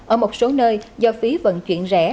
ở một số nơi do phí vận chuyển rẻ